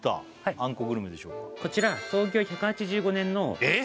こちら創業１８５年のえっ？